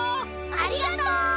ありがとう！